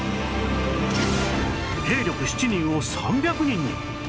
兵力７人を３００人に